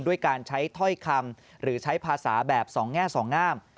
ด้วยการใช้ถ้อยคำหรือใช้ภาษาแบบสองแง่สองงาม